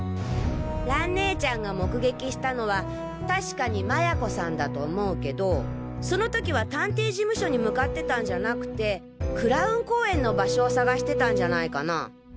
蘭ねえちゃんが目撃したのはたしかに麻也子さんだと思うけどそのときは探偵事務所に向かってたんじゃなくて蔵雲公園の場所を探してたんじゃないかな。